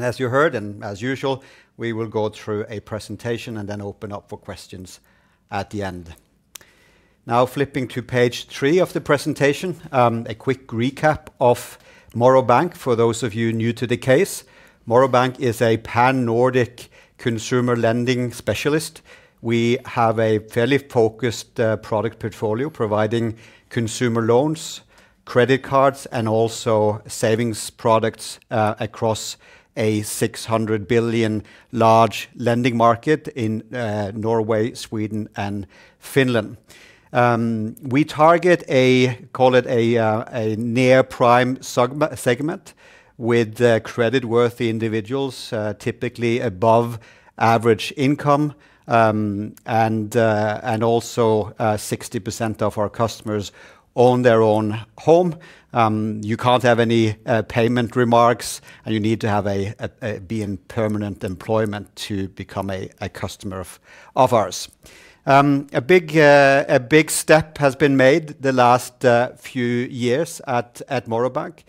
As you heard, and as usual, we will go through a presentation and then open up for questions at the end. Now, flipping to Page 3 of the presentation, a quick recap of Morrow Bank, for those of you new to the case. Morrow Bank is a Pan-Nordic consumer lending specialist. We have a fairly focused product portfolio, providing consumer loans, credit cards, and also savings products, across a 600 billion large lending market in Norway, Sweden, and Finland. We target, call it a, a near-prime segment with creditworthy individuals, typically above average income. And also, 60% of our customers own their own home. You can't have any payment remarks, and you need to be in permanent employment to become a customer of ours. A big step has been made the last few years at Morrow Bank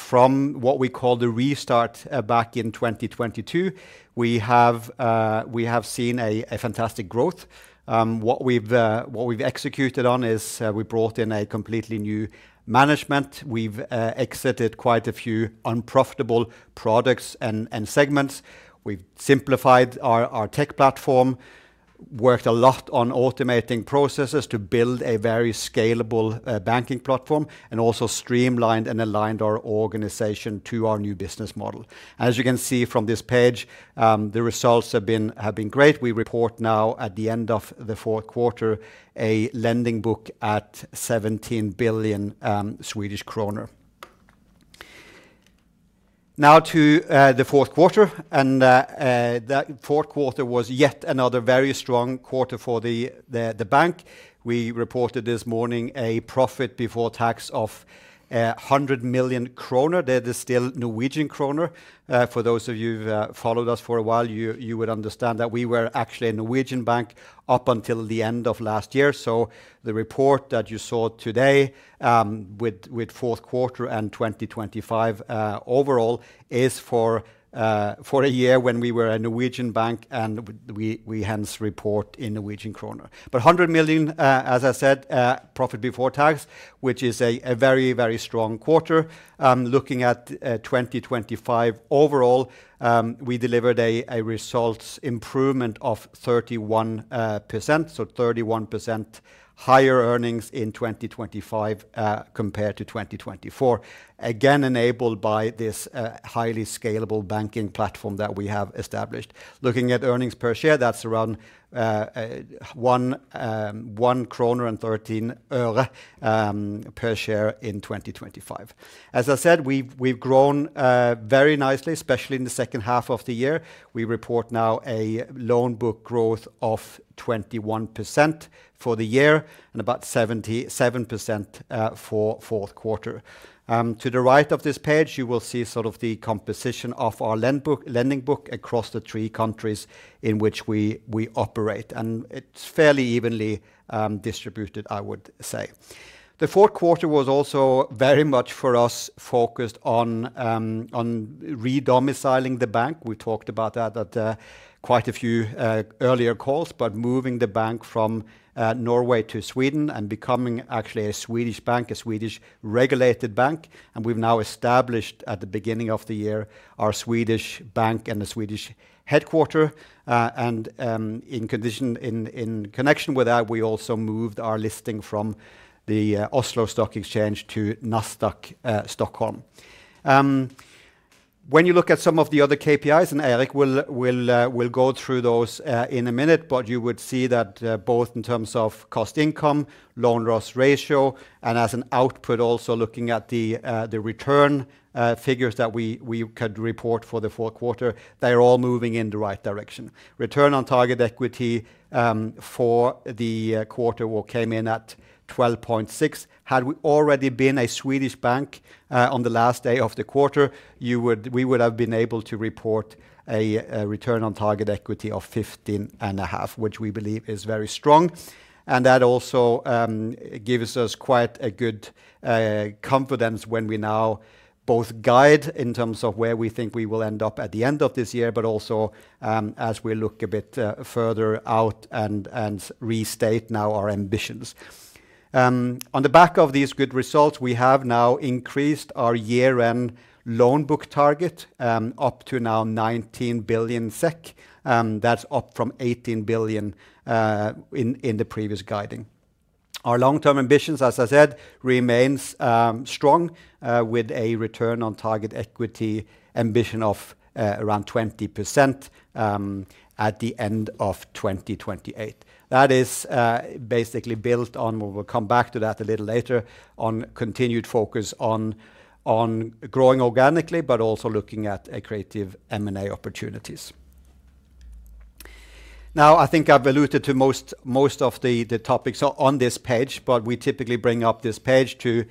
from what we call the restart back in 2022. We have seen a fantastic growth. What we've executed on is we brought in a completely new management. We've exited quite a few unprofitable products and segments. We've simplified our tech platform, worked a lot on automating processes to build a very scalable banking platform, and also streamlined and aligned our organization to our new business model. As you can see from this page, the results have been great. We report now, at the end of the fourth quarter, a lending book at 17 billion Swedish kronor. Now to the fourth quarter, and the fourth quarter was yet another very strong quarter for the bank. We reported this morning a profit before tax of 100 million kroner. That is still Norwegian krona. For those of you who've followed us for a while, you would understand that we were actually a Norwegian bank up until the end of last year. So the report that you saw today, with fourth quarter and 2025 overall, is for a year when we were a Norwegian bank, and we hence report in Norwegian krona. But 100 million, as I said, profit before tax, which is a very, very strong quarter. Looking at 2025 overall, we delivered a results improvement of 31%, so 31% higher earnings in 2025 compared to 2024. Again, enabled by this highly scalable banking platform that we have established. Looking at earnings per share, that's around SEK 1.13 per share in 2025. As I said, we've grown very nicely, especially in the second half of the year. We report now a loan book growth of 21% for the year and about 7% for fourth quarter. To the right of this page, you will see sort of the composition of our loan book across the three countries in which we operate, and it's fairly evenly distributed, I would say. The fourth quarter was also very much for us, focused on re-domiciling the bank. We talked about that at quite a few earlier calls, but moving the bank from Norway to Sweden and becoming actually a Swedish bank, a Swedish regulated bank. And we've now established, at the beginning of the year, our Swedish bank and the Swedish headquarters. And, in connection with that, we also moved our listing from the Oslo Stock Exchange to Nasdaq Stockholm. When you look at some of the other KPIs, and Eirik will go through those in a minute, but you would see that both in terms of cost-income, loan-loss ratio, and as an output, also looking at the return figures that we could report for the fourth quarter, they are all moving in the right direction. Return on target equity for the quarter came in at 12.6%. Had we already been a Swedish bank on the last day of the quarter, you would, we would have been able to report a return on target equity of 15.5%, which we believe is very strong. That also gives us quite a good confidence when we now both guide in terms of where we think we will end up at the end of this year, but also, as we look a bit further out and restate now our ambitions. On the back of these good results, we have now increased our year-end loan book target up to 19 billion SEK. That's up from 18 billion in the previous guiding. Our long-term ambitions, as I said, remains strong with a return on target equity ambition of around 20% at the end of 2028. That is basically built on, we'll come back to that a little later, on continued focus on growing organically, but also looking at accretive M&A opportunities.... Now, I think I've alluded to most of the topics on this page, but we typically bring up this page to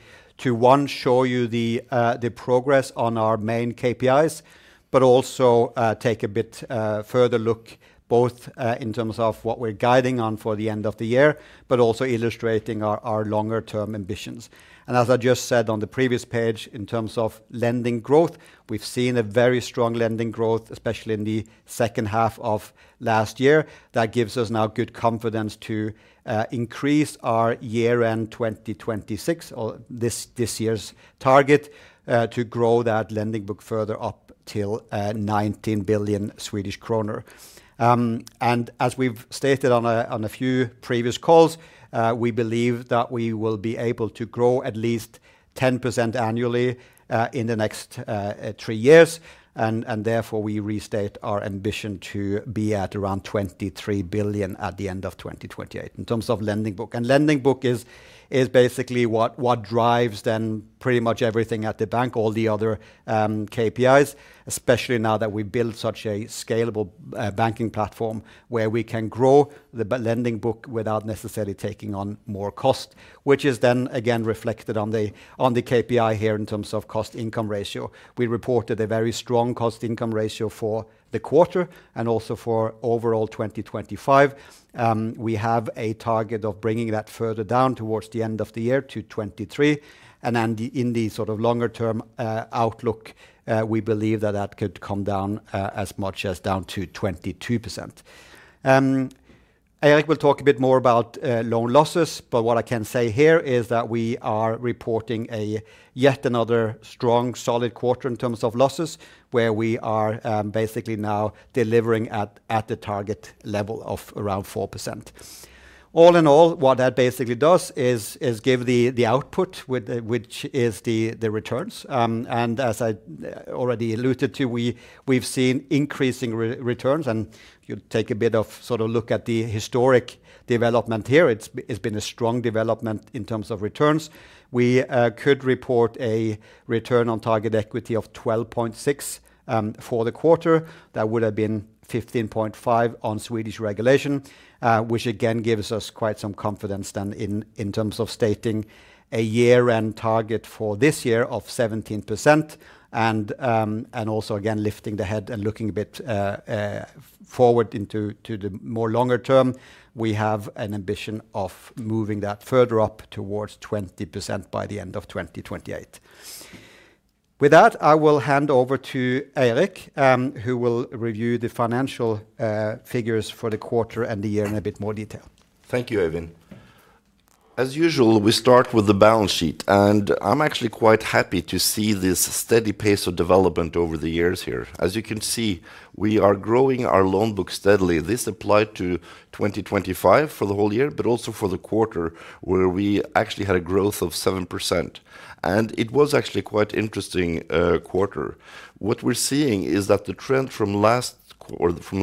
show you the progress on our main KPIs, but also take a bit further look, both in terms of what we're guiding on for the end of the year, but also illustrating our longer-term ambitions. And as I just said on the previous page, in terms of lending growth, we've seen a very strong lending growth, especially in the second half of last year. That gives us now good confidence to increase our year-end 2026, or this year's target, to grow that lending book further up till 19 billion Swedish kronor. As we've stated on a few previous calls, we believe that we will be able to grow at least 10% annually in the next three years, and therefore, we restate our ambition to be at around 23 billion at the end of 2028. In terms of lending book, and lending book is basically what drives then pretty much everything at the bank, all the other KPIs, especially now that we've built such a scalable banking platform, where we can grow the lending book without necessarily taking on more cost, which is then again reflected on the KPI here in terms of cost-income ratio. We reported a very strong cost-income ratio for the quarter and also for overall 2025. We have a target of bringing that further down towards the end of the year to 23, and then the, in the sort of longer-term outlook, we believe that that could come down, as much as down to 22%. Eirik will talk a bit more about loan losses, but what I can say here is that we are reporting a yet another strong, solid quarter in terms of losses, where we are basically now delivering at the target level of around 4%. All in all, what that basically does is give the output, with the, which is the returns. And as I already alluded to, we've seen increasing returns, and if you take a bit of sort of look at the historic development here, it's been a strong development in terms of returns. We could report a return on target equity of 12.6% for the quarter. That would have been 15.5% on Swedish regulation, which again gives us quite some confidence then in terms of stating a year-end target for this year of 17%. And also, again, lifting the head and looking a bit forward into the more longer term, we have an ambition of moving that further up towards 20% by the end of 2028. With that, I will hand over to Eirik, who will review the financial figures for the quarter and the year in a bit more detail. Thank you, Øyvind. As usual, we start with the balance sheet, and I'm actually quite happy to see this steady pace of development over the years here. As you can see, we are growing our loan book steadily. This applied to 2025 for the whole year, but also for the quarter, where we actually had a growth of 7%, and it was actually quite interesting quarter. What we're seeing is that the trend from the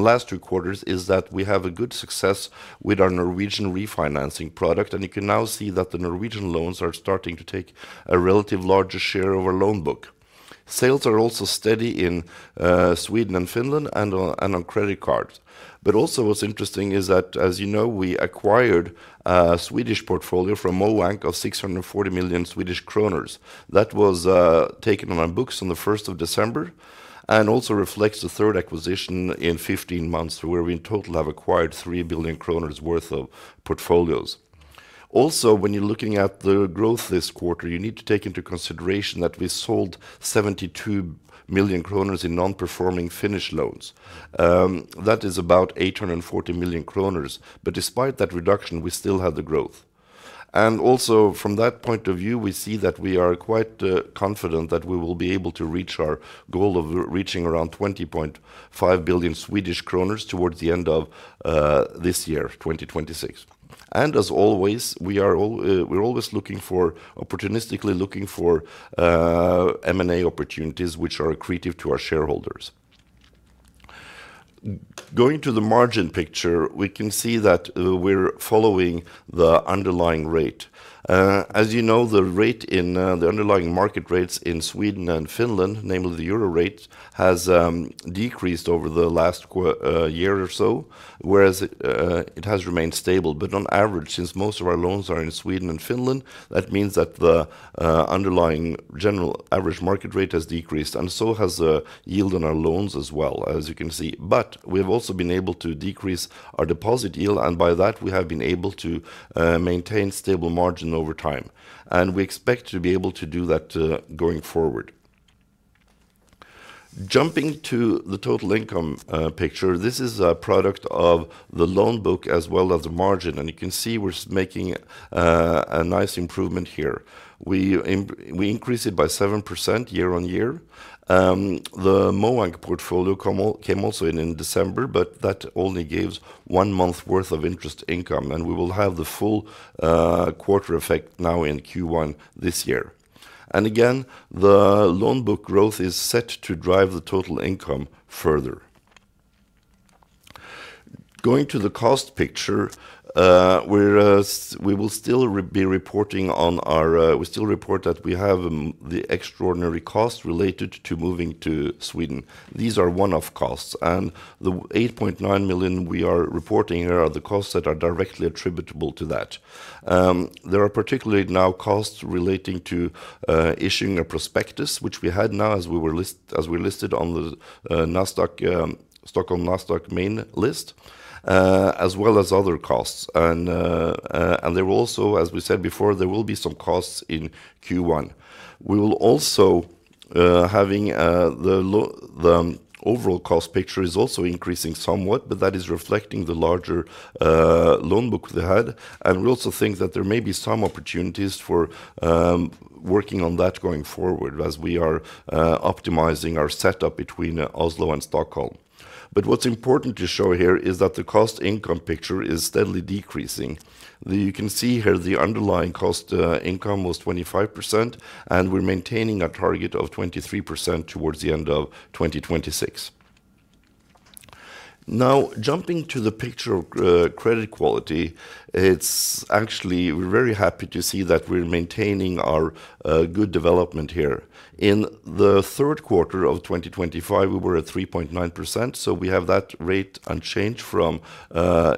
last two quarters is that we have a good success with our Norwegian refinancing product, and you can now see that the Norwegian loans are starting to take a relative larger share of our loan book. Sales are also steady in Sweden and Finland and on credit cards. But also, what's interesting is that, as you know, we acquired a Swedish portfolio from Moank of 640 million Swedish kronor. That was taken on our books on the 1st of December, and also reflects the third acquisition in 15 months, where we in total have acquired 3 billion kronor worth of portfolios. Also, when you're looking at the growth this quarter, you need to take into consideration that we sold 72 million kronor in non-performing Finnish loans. That is about 840 million kronor. But despite that reduction, we still have the growth. And also from that point of view, we see that we are quite confident that we will be able to reach our goal of reaching around 20.5 billion Swedish kronor towards the end of this year, 2026. As always, we're always looking opportunistically for M&A opportunities which are accretive to our shareholders. Going to the margin picture, we can see that we're following the underlying rate. As you know, the underlying market rates in Sweden and Finland, namely the euro rate, has decreased over the last year or so, whereas it has remained stable. But on average, since most of our loans are in Sweden and Finland, that means that the underlying general average market rate has decreased, and so has the yield on our loans as well, as you can see. But we have also been able to decrease our deposit yield, and by that, we have been able to maintain stable margin over time, and we expect to be able to do that going forward. Jumping to the total income picture, this is a product of the loan book as well as the margin, and you can see we're making a nice improvement here. We increase it by 7% year-on-year. The Moank portfolio came also in, in December, but that only gives one month worth of interest income, and we will have the full quarter effect now in Q1 this year. And again, the loan book growth is set to drive the total income further. Going to the cost picture, we will still be reporting on our. We still report that we have the extraordinary costs related to moving to Sweden. These are one-off costs, and the 8.9 million we are reporting here are the costs that are directly attributable to that. There are particularly now costs relating to issuing a prospectus, which we had now as we listed on the Nasdaq Stockholm main list, as well as other costs. And there were also, as we said before, there will be some costs in Q1. The overall cost picture is also increasing somewhat, but that is reflecting the larger loan book we had. We also think that there may be some opportunities for working on that going forward as we are optimizing our setup between Oslo and Stockholm. But what's important to show here is that the cost income picture is steadily decreasing. You can see here the underlying cost income was 25%, and we're maintaining a target of 23% towards the end of 2026. Now, jumping to the picture of credit quality, it's actually... We're very happy to see that we're maintaining our good development here. In the third quarter of 2025, we were at 3.9%, so we have that rate unchanged from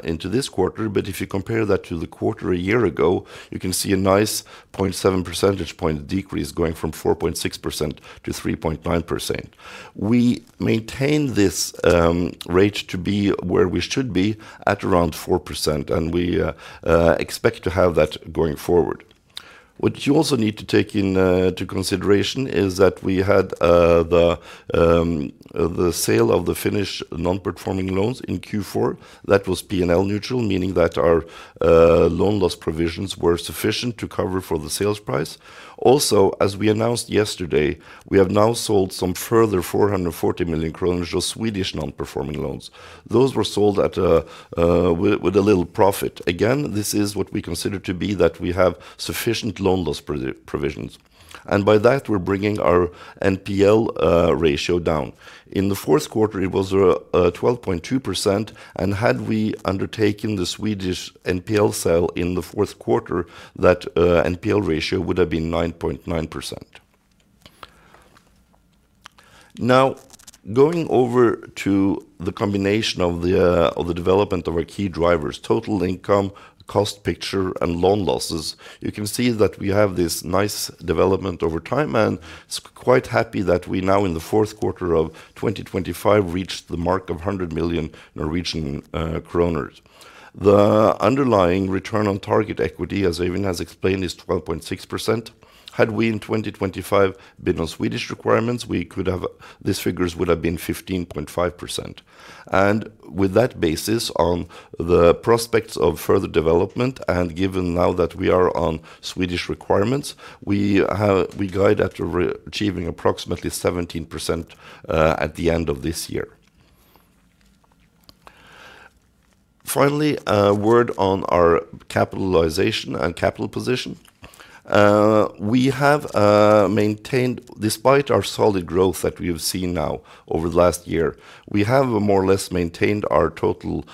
into this quarter. But if you compare that to the quarter a year ago, you can see a nice 0.7 percentage point decrease, going from 4.6% to 3.9%. We maintain this rate to be where we should be at around 4%, and we expect to have that going forward. What you also need to take into consideration is that we had the sale of the Finnish non-performing loans in Q4. That was P&L neutral, meaning that our loan loss provisions were sufficient to cover for the sales price. Also, as we announced yesterday, we have now sold some further 440 million kronor, just Swedish non-performing loans. Those were sold at a with a little profit. Again, this is what we consider to be that we have sufficient loan loss provisions. And by that, we're bringing our NPL ratio down. In the fourth quarter, it was 12.2%, and had we undertaken the Swedish NPL sale in the fourth quarter, that NPL ratio would have been 9.9%. Now, going over to the combination of the development of our key drivers: total income, cost picture, and loan losses, you can see that we have this nice development over time, and quite happy that we now, in the fourth quarter of 2025, reached the mark of 100 million Norwegian kroner. The underlying return on target equity, as Øyvind has explained, is 12.6%. Had we, in 2025, been on Swedish requirements, we could have, these figures would have been 15.5%. And with that basis on the prospects of further development, and given now that we are on Swedish requirements, we guide after achieving approximately 17% at the end of this year. Finally, a word on our capitalization and capital position. We have maintained. Despite our solid growth that we have seen now over the last year, we have more or less maintained our total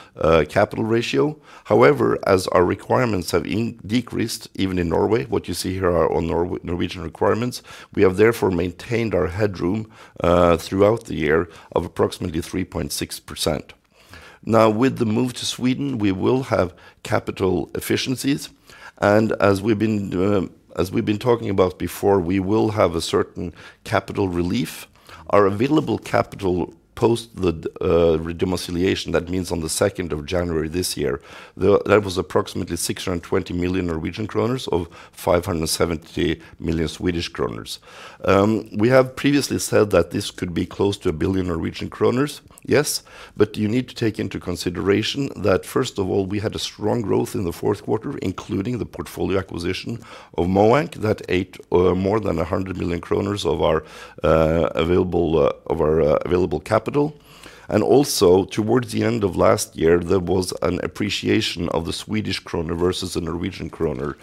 capital ratio. However, as our requirements have decreased, even in Norway, what you see here are on Norwegian requirements, we have therefore maintained our headroom throughout the year of approximately 3.6%. Now, with the move to Sweden, we will have capital efficiencies, and as we've been talking about before, we will have a certain capital relief. Our available capital post the redomiciliation, that means on the second of January this year, that was approximately 620 million Norwegian kroner or 570 million Swedish kronor. We have previously said that this could be close to 1 billion Norwegian kroner. Yes, but you need to take into consideration that, first of all, we had a strong growth in the fourth quarter, including the portfolio acquisition of Moank. That ate more than 100 million kroner of our available capital. And also, towards the end of last year, there was an appreciation of the Swedish krona versus the Norwegian krone.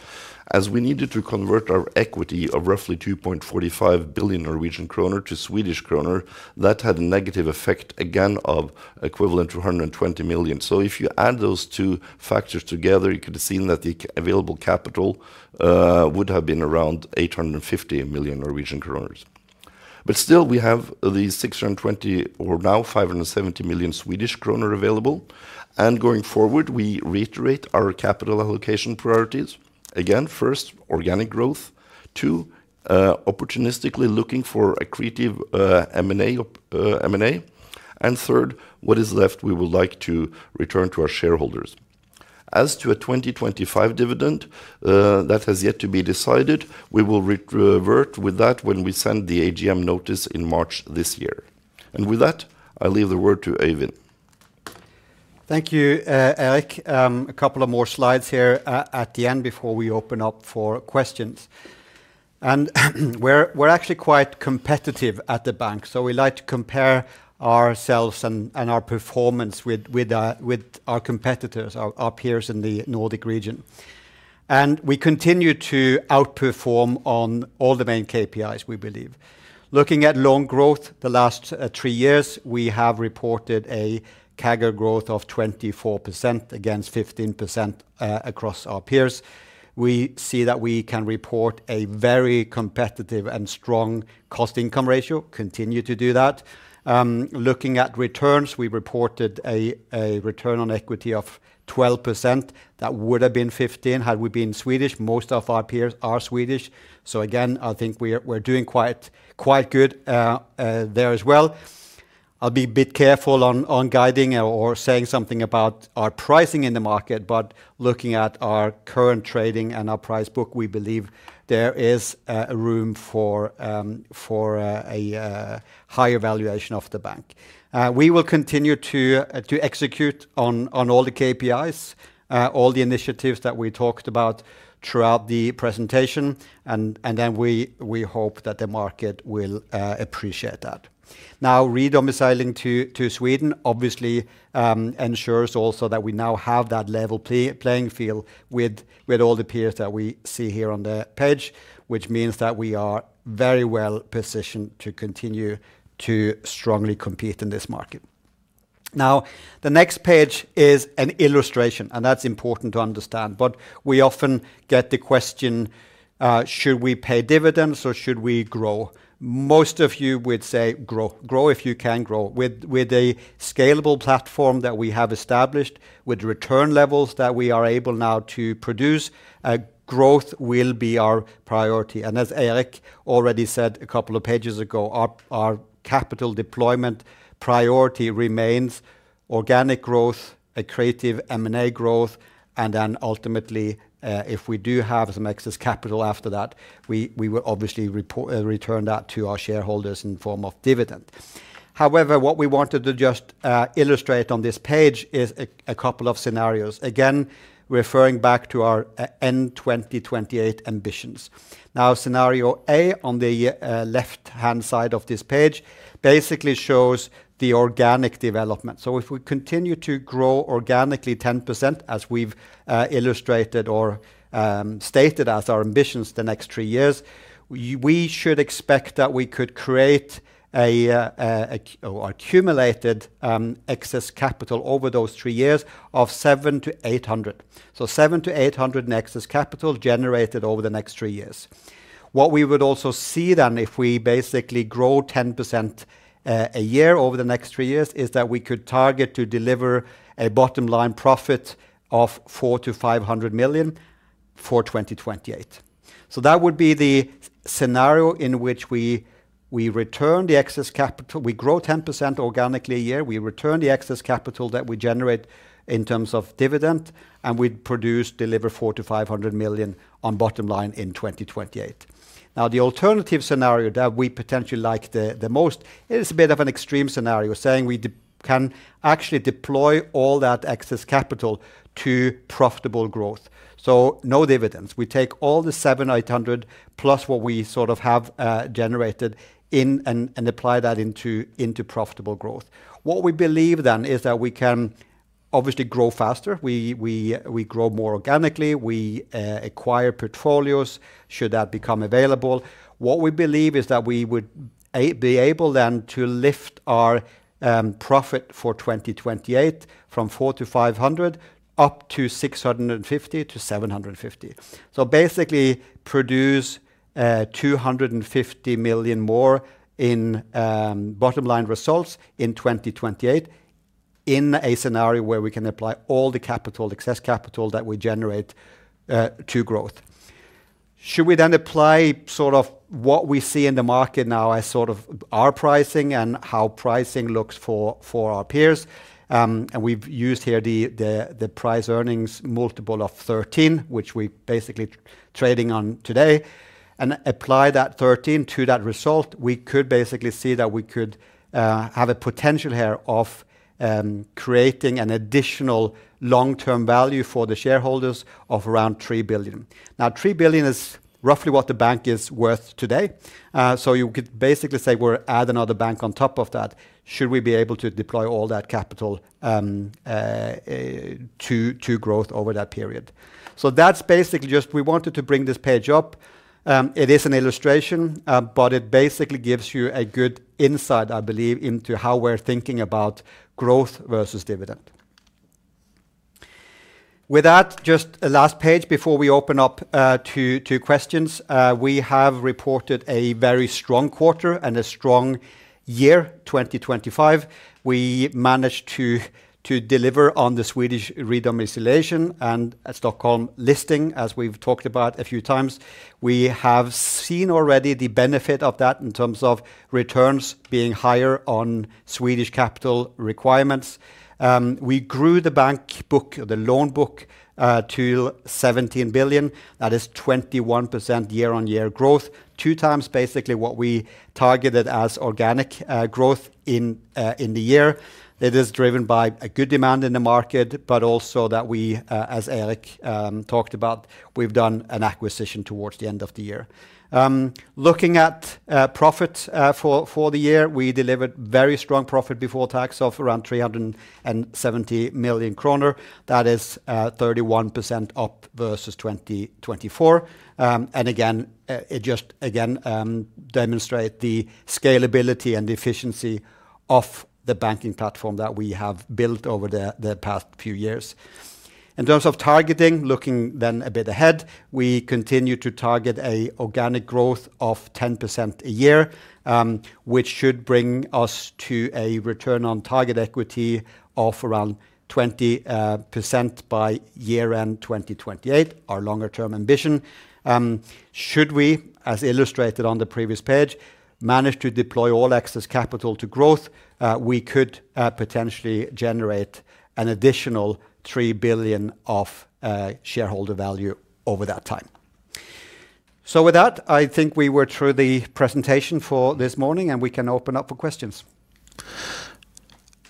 As we needed to convert our equity of roughly 2.45 billion Norwegian krone to Swedish krona, that had a negative effect again of equivalent to 120 million. So if you add those two factors together, you could have seen that the available capital would have been around 850 million Norwegian kroner. But still, we have the 620 million or now 570 million Swedish kronor available. And going forward, we reiterate our capital allocation priorities. Again, first, organic growth. Two, opportunistically looking for accretive M&A. And third, what is left, we would like to return to our shareholders. As to a 2025 dividend, that has yet to be decided; we will revert with that when we send the AGM notice in March this year. And with that, I leave the word to Øyvind. Thank you, Eirik. A couple of more slides here, at the end before we open up for questions. We're actually quite competitive at the bank, so we like to compare ourselves and our performance with our competitors, our peers in the Nordic region. We continue to outperform on all the main KPIs, we believe. Looking at loan growth, the last three years, we have reported a CAGR growth of 24%, against 15% across our peers. We see that we can report a very competitive and strong cost-income ratio, continue to do that. Looking at returns, we reported a return on equity of 12%. That would have been 15% had we been Swedish. Most of our peers are Swedish, so again, I think we're doing quite good there as well. I'll be a bit careful on guiding or saying something about our pricing in the market, but looking at our current trading and our price book, we believe there is room for a higher valuation of the bank. We will continue to execute on all the KPIs, all the initiatives that we talked about throughout the presentation. And then we hope that the market will appreciate that. Now, re-domiciling to Sweden obviously ensures also that we now have that level playing field with all the peers that we see here on the page, which means that we are very well positioned to continue to strongly compete in this market. Now, the next page is an illustration, and that's important to understand. But we often get the question, "Should we pay dividends or should we grow?" Most of you would say, "Grow. Grow if you can grow." With a scalable platform that we have established, with return levels that we are able now to produce, growth will be our priority. And as Eirik already said a couple of pages ago, our capital deployment priority remains organic growth, accretive M&A growth, and then ultimately, if we do have some excess capital after that, we will obviously return that to our shareholders in form of dividend. However, what we wanted to just illustrate on this page is a couple of scenarios, again, referring back to our end 2028 ambitions. Now, scenario A on the left-hand side of this page basically shows the organic development. So if we continue to grow organically 10%, as we've illustrated or stated as our ambitions the next three years, we should expect that we could create an accumulated excess capital over those three years of 700 million-800 million. So 700 million-800 million in excess capital generated over the next three years. What we would also see then, if we basically grow 10% a year over the next three years, is that we could target to deliver a bottom line profit of 400 million-500 million for 2028. So that would be the scenario in which we return the excess capital. We grow 10% organically a year, we return the excess capital that we generate in terms of dividend, and we produce, deliver 400 million-500 million on bottom line in 2028. Now, the alternative scenario that we potentially like the most is a bit of an extreme scenario, saying we can actually deploy all that excess capital to profitable growth. So no dividends. We take all the 700-800 plus what we sort of have generated in and apply that into profitable growth. What we believe then is that we can obviously grow faster. We grow more organically. We acquire portfolios, should that become available. What we believe is that we would be able then to lift our profit for 2028 from 400-500 up to 650-750. So basically produce 250 million more in bottom line results in 2028, in a scenario where we can apply all the capital, excess capital that we generate, to growth. Should we then apply sort of what we see in the market now as sort of our pricing and how pricing looks for our peers? And we've used here the price earnings multiple of 13, which we're basically trading on today, and apply that 13 to that result, we could basically see that we could have a potential here of creating an additional long-term value for the shareholders of around 3 billion. Now, 3 billion is roughly what the bank is worth today, so you could basically say we're adding another bank on top of that, should we be able to deploy all that capital to growth over that period. So that's basically just... We wanted to bring this page up. It is an illustration, but it basically gives you a good insight, I believe, into how we're thinking about growth versus dividend. With that, just a last page before we open up to questions. We have reported a very strong quarter and a strong year, 2025. We managed to deliver on the Swedish redomiciliation and a Stockholm listing, as we've talked about a few times. We have seen already the benefit of that in terms of returns being higher on Swedish capital requirements. We grew the bank book, the loan book, to 17 billion. That is 21% year-on-year growth, 2 times basically what we targeted as organic growth in the year. It is driven by a good demand in the market, but also that we, as Eirik talked about, we've done an acquisition towards the end of the year. Looking at profit for the year, we delivered very strong profit before tax of around 370 million kroner. That is 31% up versus 2024. And again, it just again demonstrate the scalability and efficiency of the banking platform that we have built over the past few years. In terms of targeting, looking then a bit ahead, we continue to target an organic growth of 10% a year, which should bring us to a return on target equity of around 20% by year-end 2028, our longer-term ambition. Should we, as illustrated on the previous page, manage to deploy all excess capital to growth, we could potentially generate an additional 3 billion of shareholder value over that time. So with that, I think we were through the presentation for this morning, and we can open up for questions.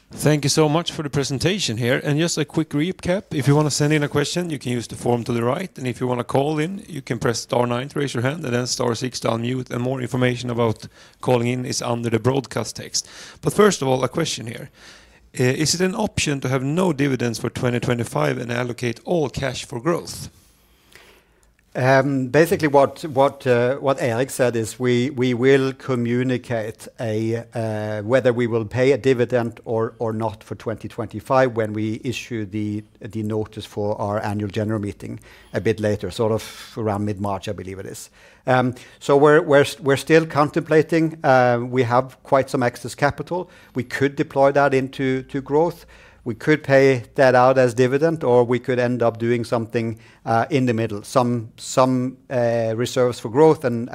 Thank you so much for the presentation here. And just a quick recap. If you wanna send in a question, you can use the form to the right, and if you wanna call in, you can press star nine to raise your hand, and then star six to unmute, and more information about calling in is under the broadcast text. But first of all, a question here. Is it an option to have no dividends for 2025 and allocate all cash for growth? Basically, what Eirik said is, we will communicate whether we will pay a dividend or not for 2025 when we issue the notice for our annual general meeting a bit later, sort of around mid-March, I believe it is. So we're still contemplating. We have quite some excess capital. We could deploy that into growth. We could pay that out as dividend, or we could end up doing something in the middle, some reserves for growth and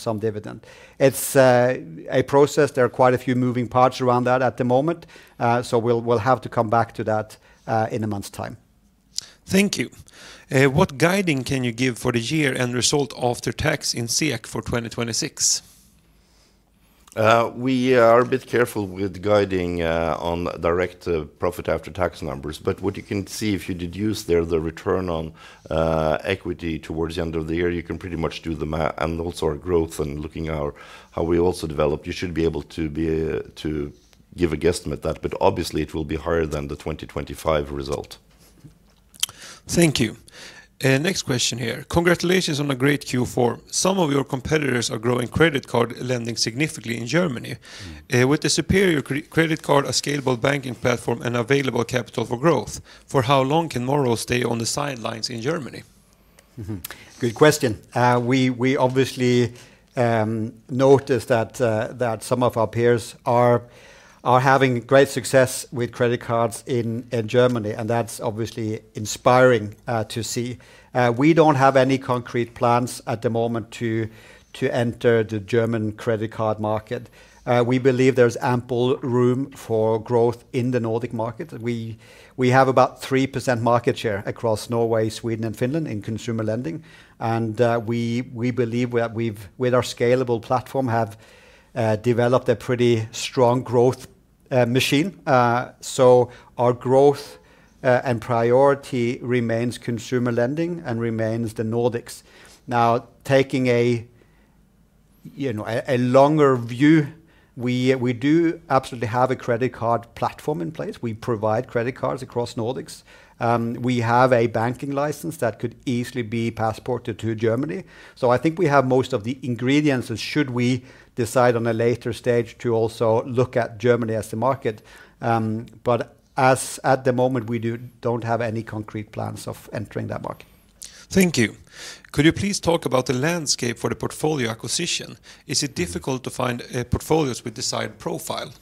some dividend. It's a process. There are quite a few moving parts around that at the moment, so we'll have to come back to that in a month's time. Thank you. What guidance can you give for the year and result after tax in SEK for 2026? We are a bit careful with guiding on direct profit after tax numbers. But what you can see, if you deduce there the return on equity towards the end of the year, you can pretty much do the math and also our growth and looking at our how we also developed, you should be able to give a guesstimate that, but obviously, it will be higher than the 2025 result. Thank you. Next question here: Congratulations on a great Q4. Some of your competitors are growing credit card lending significantly in Germany. Mm-hmm. With the superior credit card, a scalable banking platform, and available capital for growth, for how long can Morrow stay on the sidelines in Germany? Mm-hmm. Good question. We obviously noticed that some of our peers are having great success with credit cards in Germany, and that's obviously inspiring to see. We don't have any concrete plans at the moment to enter the German credit card market. We believe there's ample room for growth in the Nordic market. We have about 3% market share across Norway, Sweden, and Finland in consumer lending, and we believe we've, with our scalable platform, developed a pretty strong growth machine. So our growth and priority remains consumer lending and remains the Nordics. Now, taking, you know, a longer view, we do absolutely have a credit card platform in place. We provide credit cards across Nordics. We have a banking license that could easily be passported to Germany. So I think we have most of the ingredients, and should we decide on a later stage to also look at Germany as the market, but as at the moment, we don't have any concrete plans of entering that market. Thank you. Could you please talk about the landscape for the portfolio acquisition? Mm. Is it difficult to find portfolios with desired profile?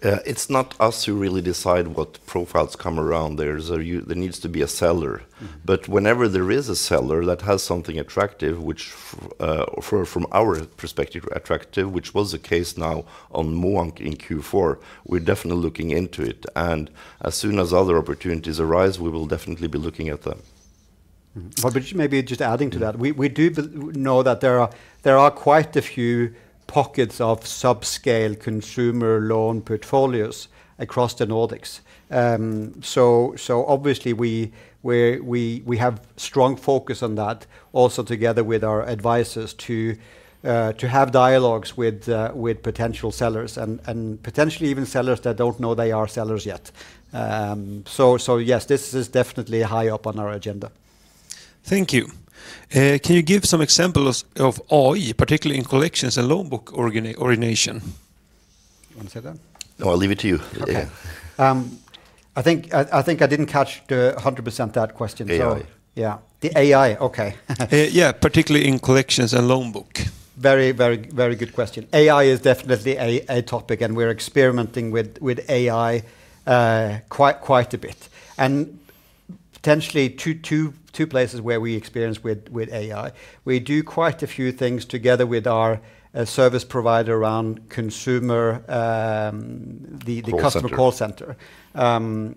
It's not us who really decide what profiles come around. There's a, there needs to be a seller. Mm. But whenever there is a seller that has something attractive, which, or from our perspective, attractive, which was the case now on Moank in Q4, we're definitely looking into it. As soon as other opportunities arise, we will definitely be looking at them. Well, but maybe just adding to that- Mm... we do know that there are quite a few pockets of subscale consumer loan portfolios across the Nordics. So obviously, we have strong focus on that, also together with our advisors, to have dialogues with potential sellers and potentially even sellers that don't know they are sellers yet. So yes, this is definitely high up on our agenda. Thank you. Can you give some examples of AI, particularly in collections and loan book origination? You wanna say that? No, I'll leave it to you. Okay. Yeah. I think I didn't catch the 100% that question, so- AI. Yeah. The AI, okay. Yeah, particularly in collections and loan book. Very, very, very good question. AI is definitely a topic, and we're experimenting with AI quite a bit, and potentially two places where we experiment with AI. We do quite a few things together with our service provider around consumer. Call center... the customer call center.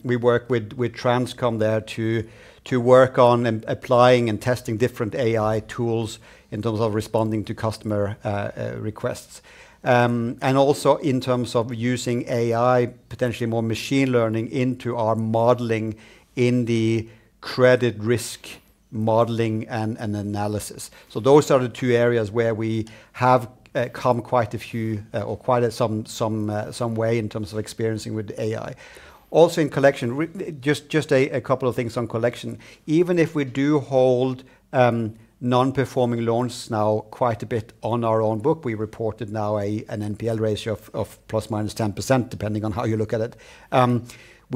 We work with Transcom there to work on and applying and testing different AI tools in terms of responding to customer requests. And also in terms of using AI, potentially more machine learning into our modeling in the credit risk modeling and analysis. So those are the two areas where we have come quite some way in terms of experiencing with AI. Also, in collection, just a couple of things on collection. Even if we do hold non-performing loans now quite a bit on our own book, we reported now an NPL ratio of ±10%, depending on how you look at it. We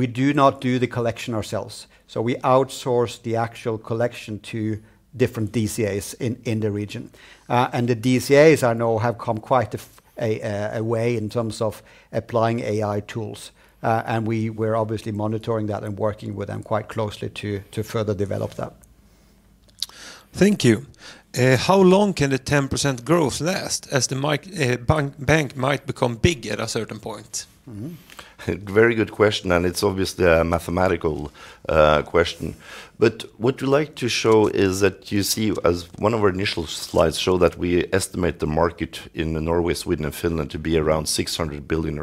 do not do the collection ourselves, so we outsource the actual collection to different DCAs in the region. And the DCAs, I know, have come quite a way in terms of applying AI tools. And we're obviously monitoring that and working with them quite closely to further develop that. Thank you. How long can the 10% growth last as the Morrow Bank might become big at a certain point? Mm-hmm. Very good question, and it's obviously a mathematical question. But what we like to show is that you see, as one of our initial slides show, that we estimate the market in Norway, Sweden, and Finland to be around SEK 600 billion.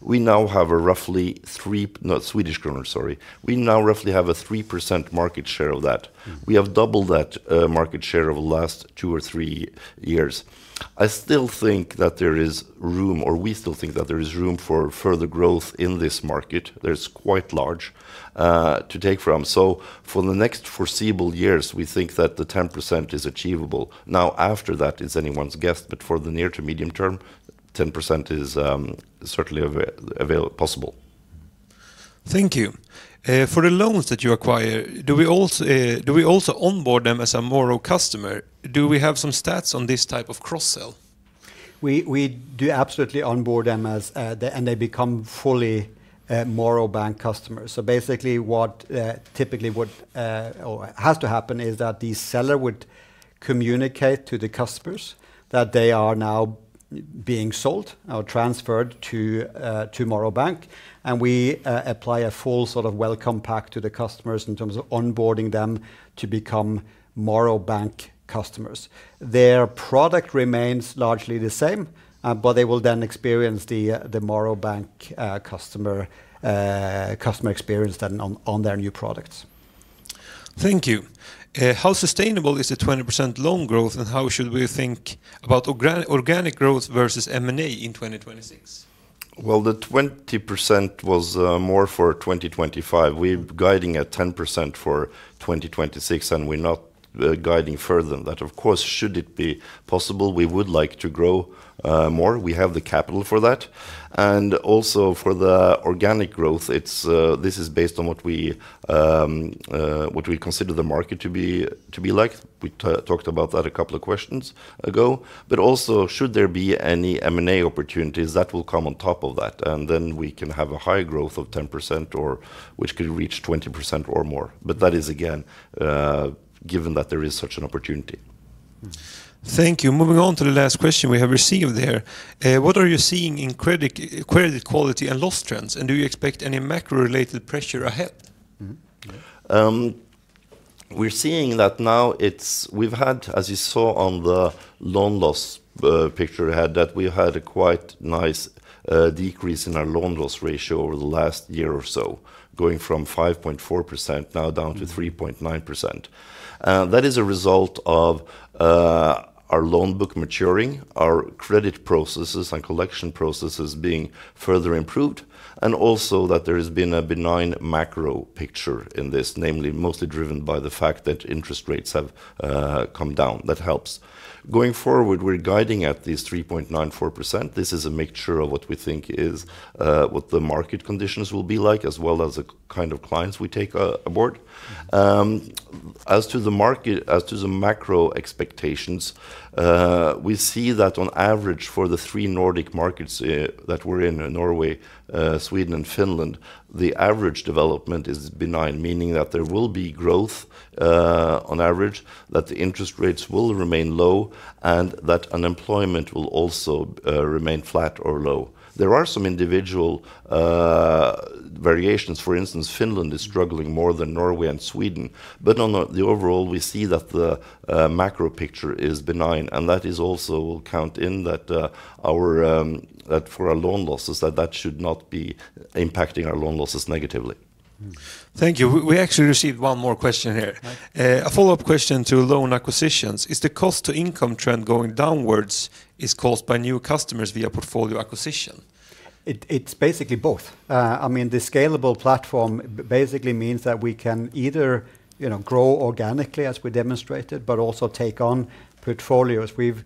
We now have a roughly three... No, Swedish krona, sorry. We now roughly have a 3% market share of that. Mm-hmm. We have doubled that market share over the last two or three years. I still think that there is room, or we still think that there is room for further growth in this market. There's quite large to take from. So for the next foreseeable years, we think that the 10% is achievable. Now, after that, it's anyone's guess, but for the near to medium term, 10% is certainly possible. Thank you. For the loans that you acquire, do we also onboard them as a Morrow customer? Do we have some stats on this type of cross-sell? We do absolutely onboard them. They become fully Morrow Bank customers. So basically, what typically would or has to happen is that the seller would communicate to the customers that they are now being sold or transferred to Morrow Bank. We apply a full sort of welcome pack to the customers in terms of onboarding them to become Morrow Bank customers. Their product remains largely the same, but they will then experience the Morrow Bank customer experience then on their new products. Thank you. How sustainable is the 20% loan growth, and how should we think about organic growth versus M&A in 2026? Well, the 20% was more for 2025. We're guiding at 10% for 2026, and we're not guiding further than that. Of course, should it be possible, we would like to grow more. We have the capital for that. And also for the organic growth, it's this is based on what we consider the market to be, to be like. We talked about that a couple of questions ago. But also, should there be any M&A opportunities, that will come on top of that, and then we can have a high growth of 10% or which could reach 20% or more. But that is, again, given that there is such an opportunity. Thank you. Moving on to the last question we have received here. What are you seeing in credit, credit quality and loss trends, and do you expect any macro-related pressure ahead? Mm-hmm. We're seeing that now it's—we've had, as you saw on the loan loss picture we had, that we had a quite nice decrease in our loan loss ratio over the last year or so, going from 5.4% now down to 3.9%. That is a result of our loan book maturing, our credit processes and collection processes being further improved, and also that there has been a benign macro picture in this, namely mostly driven by the fact that interest rates have come down. That helps. Going forward, we're guiding at these 3.94%. This is a mixture of what we think is what the market conditions will be like, as well as the kind of clients we take aboard. As to the market, as to the macro expectations, we see that on average, for the three Nordic markets that we're in, Norway, Sweden, and Finland, the average development is benign, meaning that there will be growth on average, that the interest rates will remain low, and that unemployment will also remain flat or low. There are some individual variations. For instance, Finland is struggling more than Norway and Sweden, but on the overall, we see that the macro picture is benign, and that is also count in that our that for our loan losses, that should not be impacting our loan losses negatively. Thank you. We actually received one more question here. Right. A follow-up question to loan acquisitions: Is the cost-income trend going downwards caused by new customers via portfolio acquisition? It's basically both. I mean, the scalable platform basically means that we can either, you know, grow organically as we demonstrated, but also take on portfolios. We've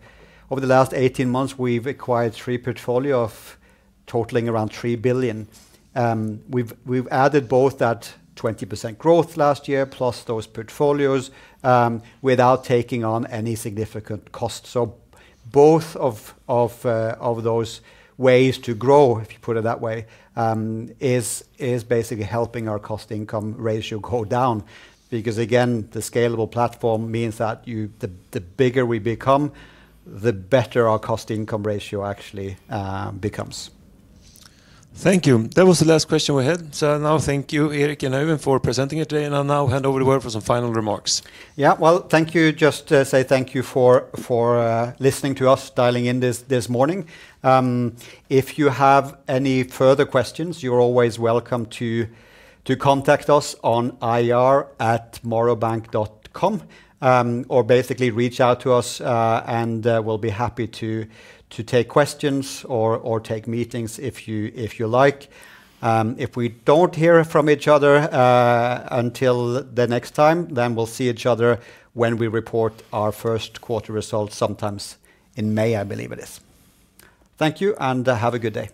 over the last 18 months, we've acquired three portfolio of totaling around 3 billion. We've added both that 20% growth last year, plus those portfolios, without taking on any significant cost. So both of those ways to grow, if you put it that way, is basically helping our cost-to-income ratio go down. Because, again, the scalable platform means that you... the, the bigger we become, the better our cost-to-income ratio actually becomes. Thank you. That was the last question we had. So now thank you, Eirik and Øyvind, for presenting it today. And I'll now hand over to Øyvind for some final remarks. Yeah. Well, thank you. Just to say thank you for listening to us dialing in this morning. If you have any further questions, you're always welcome to contact us on ir@morrowbank.com, or basically reach out to us, and we'll be happy to take questions or take meetings if you like. If we don't hear from each other until the next time, then we'll see each other when we report our first quarter results, sometime in May, I believe it is. Thank you, and have a good day.